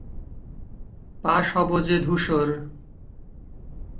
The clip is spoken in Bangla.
পা সবজে-ধূসর।